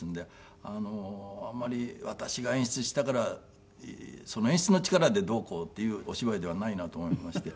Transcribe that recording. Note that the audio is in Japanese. あまり私が演出したから演出の力でどうこうっていうお芝居ではないなと思いまして。